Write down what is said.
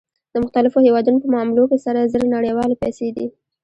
د مختلفو هېوادونو په معاملو کې سره زر نړیوالې پیسې دي